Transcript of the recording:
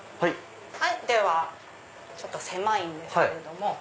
ではちょっと狭いんですけれども。